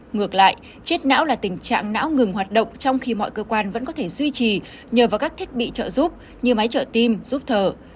ngược lại chết não là tình trạng não ngừng hoạt động trong khi mọi cơ quan vẫn có thể duy trì nhờ vào các thiết bị trợ giúp như máy trợ tim giúp thở